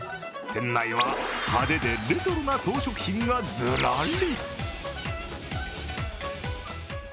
店内は派手で、レトロな装飾品がずらり。